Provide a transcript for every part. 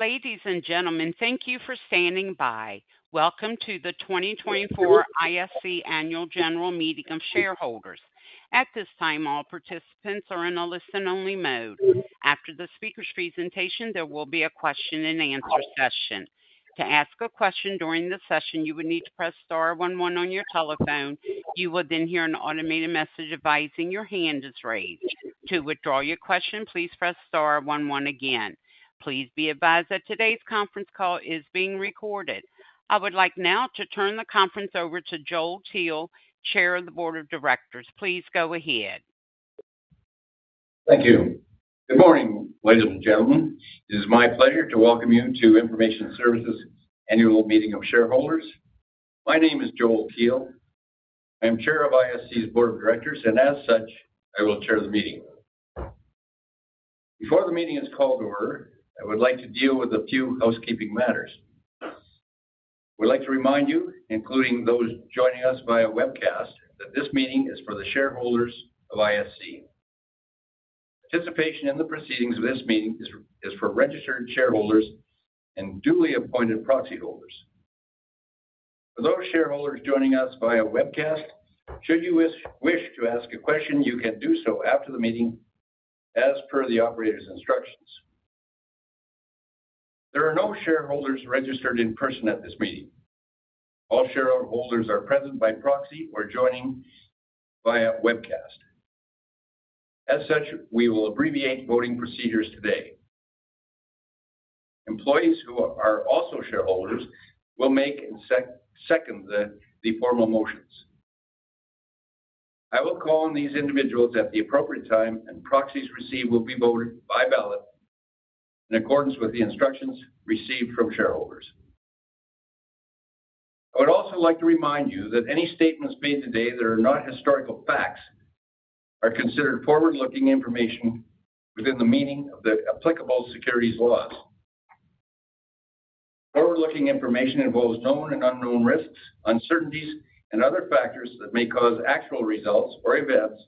Ladies and gentlemen, thank you for standing by. Welcome to the 2024 ISC Annual General Meeting of Shareholders. At this time, all participants are in a listen-only mode. After the speaker's presentation, there will be a question-and-answer session. To ask a question during the session, you would need to press star one one on your telephone. You will then hear an automated message advising your hand is raised. To withdraw your question, please press star one one again. Please be advised that today's conference call is being recorded. I would like now to turn the conference over to Joel Teal, Chair of the Board of Directors. Please go ahead. Thank you. Good morning, ladies and gentlemen. It is my pleasure to welcome you to Information Services Corporation Annual Meeting of Shareholders. My name is Joel Teal. I am Chair of ISC's Board of Directors, and as such, I will chair the meeting. Before the meeting is called to order, I would like to deal with a few housekeeping matters. We'd like to remind you, including those joining us via webcast, that this meeting is for the shareholders of ISC. Participation in the proceedings of this meeting is for registered shareholders and duly appointed proxy holders. For those shareholders joining us via webcast, should you wish to ask a question, you can do so after the meeting, as per the operator's instructions. There are no shareholders registered in person at this meeting. All shareholders are present by proxy or joining via webcast. As such, we will abbreviate voting procedures today. Employees who are also shareholders will make and second the formal motions. I will call on these individuals at the appropriate time, and proxies received will be voted by ballot in accordance with the instructions received from shareholders. I would also like to remind you that any statements made today that are not historical facts are considered forward-looking information within the meaning of the applicable securities laws. Forward-looking information involves known and unknown risks, uncertainties, and other factors that may cause actual results or events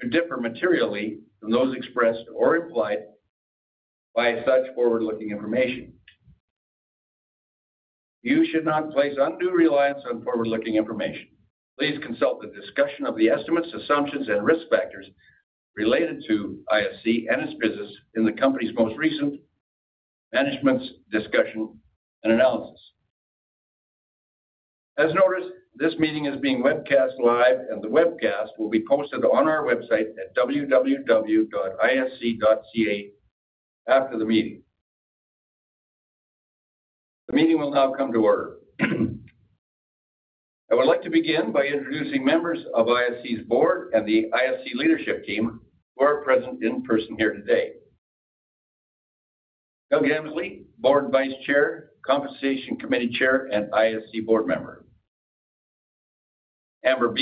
to differ materially from those expressed or implied by such forward-looking information. You should not place undue reliance on forward-looking information. Please consult the discussion of the estimates, assumptions, and risk factors related to ISC and its business in the company's most recent management discussion and analysis. As noticed, this meeting is being webcast live, and the webcast will be posted on our website at www.isc.ca after the meeting. The meeting will now come to order. I would like to begin by introducing members of ISC's board and the ISC leadership team who are present in person here today. Doug Emsley, Board Vice Chair, Compensation Committee Chair, and ISC board member. Amber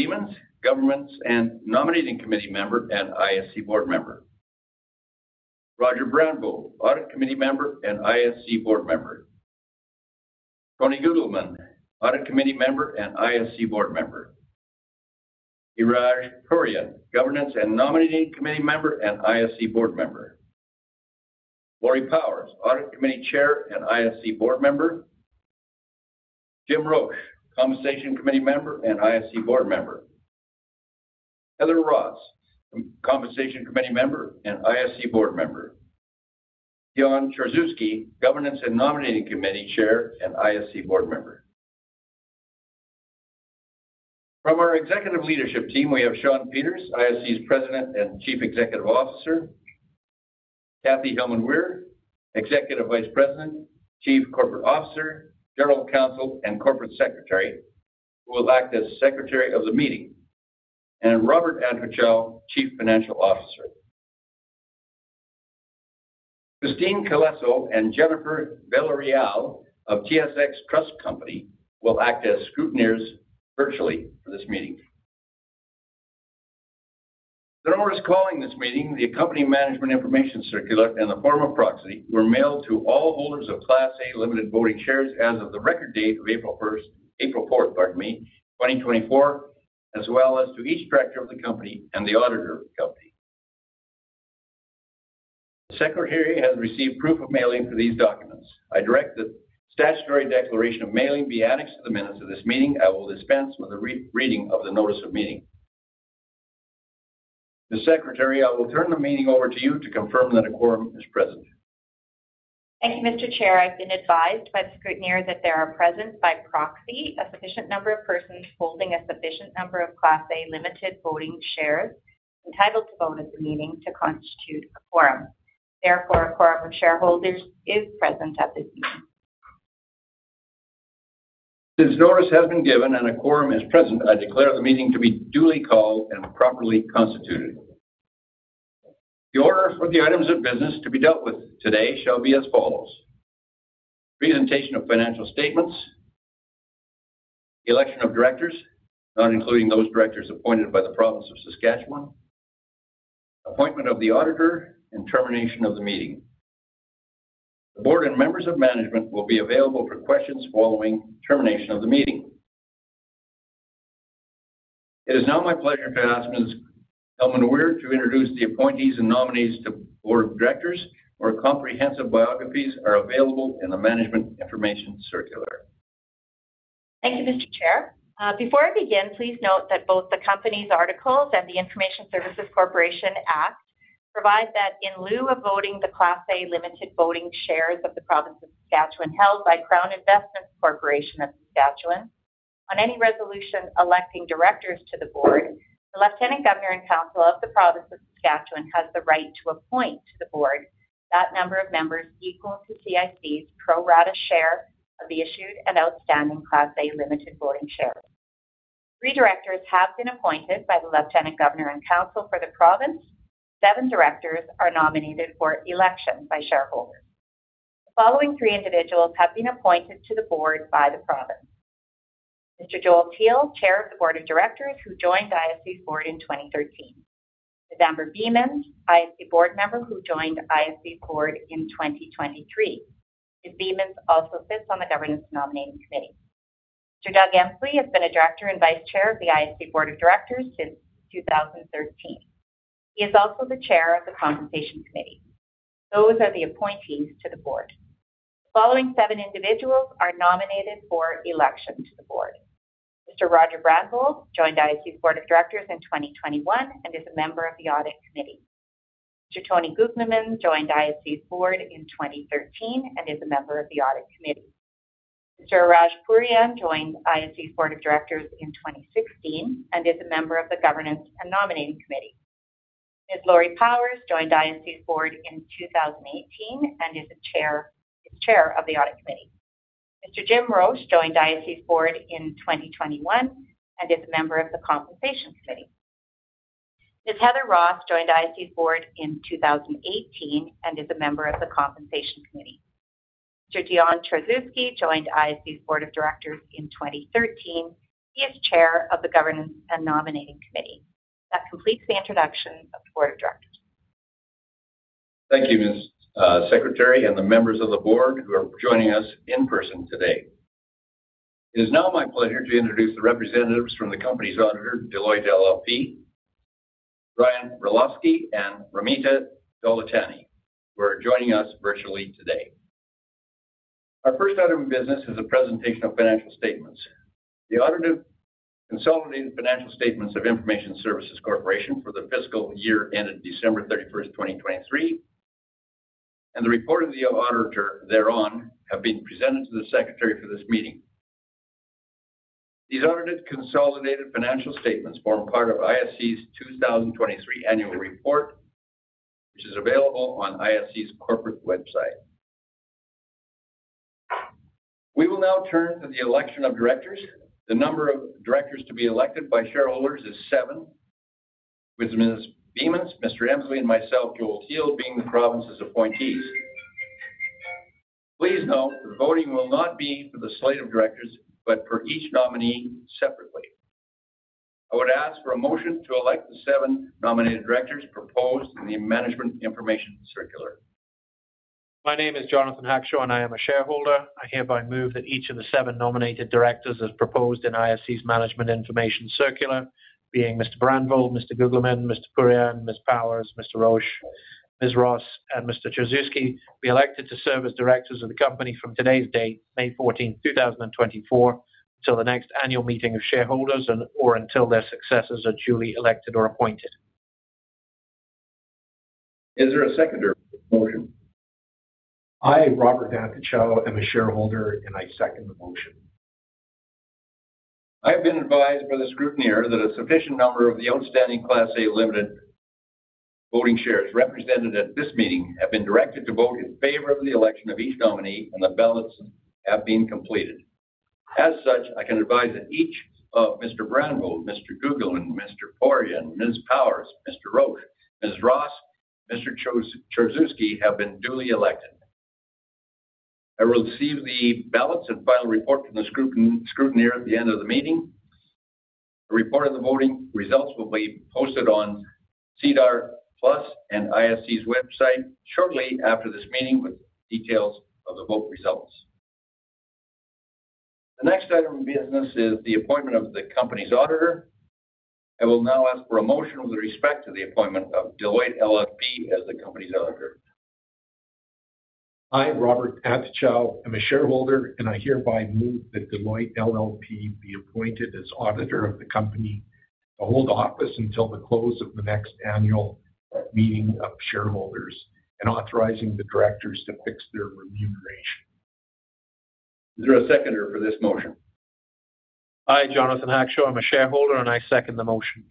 Biemans, Governance and Nominating Committee member and ISC board member. Roger Brandvold, Audit Committee member and ISC board member. Tony Guglielmin, Audit Committee member and ISC board member. Iraj Pourian, Governance and Nominating Committee member and ISC board member. Laurie Powers, Audit Committee Chair and ISC board member. Jim Roche, Compensation Committee member and ISC board member. Heather Ross, Compensation Committee member and ISC board member. Dion Tchorzewski, Governance and Nominating Committee Chair and ISC board member. From our executive leadership team, we have Shawn Peters, ISC's President and Chief Executive Officer. Kathy Hillman-Weir, Executive Vice President, Chief Corporate Officer, General Counsel, and Corporate Secretary, who will act as Secretary of the meeting. Robert Antochow, Chief Financial Officer. Cristina Colesso and Jennifer Villarreal of TSX Trust Company will act as scrutineers virtually for this meeting. The notice calling this meeting, the accompanying management information circular, and the form of proxy were mailed to all holders of Class A Limited Voting Shares as of the record date of April 1st April 4th, pardon me, 2024, as well as to each director of the company and the auditor of the company. The Secretary has received proof of mailing for these documents. I direct that statutory declaration of mailing be annexed to the minutes of this meeting. I will dispense with a reading of the notice of meeting. The Secretary, I will turn the meeting over to you to confirm that a quorum is present. Thank you, Mr. Chair. I've been advised by the scrutineer that there are present by proxy a sufficient number of persons holding a sufficient number of Class A Limited Voting Shares entitled to vote at the meeting to constitute a quorum. Therefore, a quorum of shareholders is present at this meeting. Since notice has been given and a quorum is present, I declare the meeting to be duly called and properly constituted. The order for the items of business to be dealt with today shall be as follows: presentation of financial statements, election of directors, not including those directors appointed by the Province of Saskatchewan, appointment of the auditor, and termination of the meeting. The board and members of management will be available for questions following termination of the meeting. It is now my pleasure to ask Ms. Hillman-Weir to introduce the appointees and nominees to the Board of Directors, whose comprehensive biographies are available in the Management Information Circular. Thank you, Mr. Chair. Before I begin, please note that both the company's articles and the Information Services Corporation Act provide that in lieu of voting the Class A Limited Voting Shares of the Province of Saskatchewan held by Crown Investments Corporation of Saskatchewan, on any resolution electing directors to the board, the Lieutenant Governor and Council of the Province of Saskatchewan has the right to appoint to the board that number of members equal to CIC's pro-rata share of the issued and outstanding Class A Limited Voting Shares. Three directors have been appointed by the Lieutenant Governor and Council for the province. Seven directors are nominated for election by shareholders. The following three individuals have been appointed to the board by the province: Mr. Joel Teal, Chair of the Board of Directors, who joined ISC's board in 2013. Ms. Amber Biemans, ISC board member who joined ISC's board in 2023. Ms. Biemans also sits on the Governance and Nominating Committee. Mr. Doug Emsley has been a director and vice chair of the ISC Board of Directors since 2013. He is also the chair of the Compensation Committee. Those are the appointees to the board. The following seven individuals are nominated for election to the board. Mr. Roger Brandvold joined ISC's Board of Directors in 2021 and is a member of the Audit Committee. Mr. Tony Guglielmin joined ISC's board in 2013 and is a member of the Audit Committee. Mr. Iraj Pourian joined ISC's Board of Directors in 2016 and is a member of the Governance and Nominating Committee. Ms. Laurie Powers joined ISC's board in 2018 and is chair of the Audit Committee. Mr. Jim Roche joined ISC's board in 2021 and is a member of the Compensation Committee. Ms. Heather Ross joined ISC's Board in 2018 and is a member of the Compensation Committee. Mr. Dion Tchorzewski joined ISC's Board of Directors in 2013. He is Chair of the Governance and Nominating Committee. That completes the introduction of the Board of Directors. Thank you, Ms. Secretary, and the members of the board who are joining us in person today. It is now my pleasure to introduce the representatives from the company's auditor, Deloitte LLP, Bryan Glaze, and Ramita Dholatani, who are joining us virtually today. Our first item of business is the presentation of financial statements. The audited consolidated financial statements of Information Services Corporation for the fiscal year ended December 31st, 2023, and the report of the auditor thereon have been presented to the Secretary for this meeting. These audited consolidated financial statements form part of ISC's 2023 annual report, which is available on ISC's corporate website. We will now turn to the election of directors. The number of directors to be elected by shareholders is seven, with Ms. Biemans, Mr. Emsley, and myself, Joel Teal, being the province's appointees. Please note that voting will not be for the slate of directors but for each nominee separately. I would ask for a motion to elect the seven nominated directors proposed in the Management Information Circular. My name is Jonathan Hackshaw, and I am a shareholder. I hereby move that each of the seven nominated directors as proposed in ISC's Management Information Circular, being Mr. Brandvold, Mr. Guglielmin, Mr. Pourian, Ms. Powers, Mr. Roche, Ms. Ross, and Mr. Tchorzewski, be elected to serve as directors of the company from today's date, May 14th, 2024, until the next annual meeting of shareholders or until their successors are duly elected or appointed. Is there a seconder motion? I, Robert Antochow, am a shareholder, and I second the motion. I have been advised by the scrutineer that a sufficient number of the outstanding Class A Limited Voting Shares represented at this meeting have been directed to vote in favor of the election of each nominee, and the ballots have been completed. As such, I can advise that each of Mr. Brandvold, Mr. Guglielmin, Mr. Pourian, Ms. Powers, Mr. Roche, Ms. Ross, and Mr. Tchorzewski have been duly elected. I will receive the ballots and final report from the scrutineer at the end of the meeting. A report of the voting results will be posted on SEDAR+ and ISC's website shortly after this meeting with details of the vote results. The next item of business is the appointment of the company's auditor. I will now ask for a motion with respect to the appointment of Deloitte LLP as the company's auditor. I, Robert Antochow, am a shareholder, and I hereby move that Deloitte LLP be appointed as auditor of the company to hold office until the close of the next annual meeting of shareholders and authorizing the directors to fix their remuneration. Is there a seconder for this motion? I, Jonathan Hackshaw, am a shareholder, and I second the motion.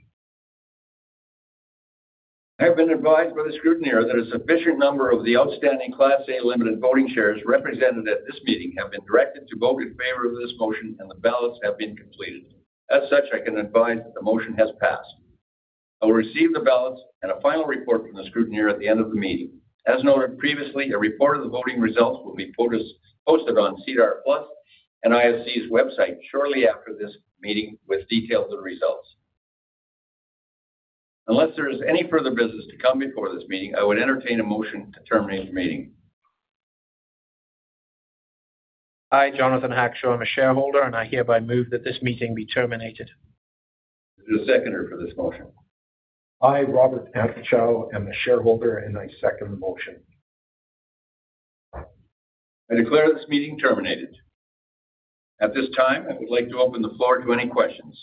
I have been advised by the scrutineer that a sufficient number of the outstanding Class A Limited Voting Shares represented at this meeting have been directed to vote in favor of this motion, and the ballots have been completed. As such, I can advise that the motion has passed. I will receive the ballots and a final report from the scrutineer at the end of the meeting. As noted previously, a report of the voting results will be posted on SEDAR+ and ISC's website shortly after this meeting with details of the results. Unless there is any further business to come before this meeting, I would entertain a motion to terminate the meeting. I, Jonathan Hackshaw, am a shareholder, and I hereby move that this meeting be terminated. Is there a seconder for this motion? I, Robert Antochow, am a shareholder, and I second the motion. I declare this meeting terminated. At this time, I would like to open the floor to any questions.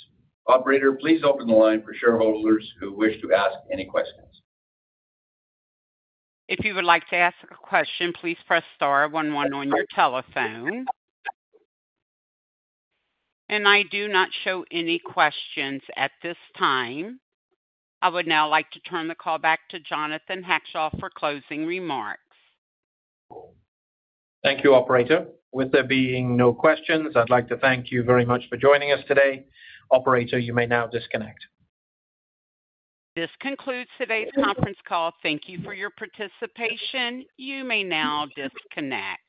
Operator, please open the line for shareholders who wish to ask any questions. If you would like to ask a question, please press star one one on your telephone. I do not show any questions at this time. I would now like to turn the call back to Jonathan Hackshaw for closing remarks. Thank you, Operator. With there being no questions, I'd like to thank you very much for joining us today. Operator, you may now disconnect. This concludes today's conference call. Thank you for your participation. You may now disconnect.